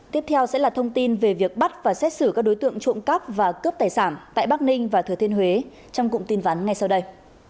tiếp theo sẽ là thông tin về việc bắt và xét xử các đối tượng trộm cắp và cướp tài sản tại bắc ninh và thừa thiên huế trong cụm tin vắn ngay sau đây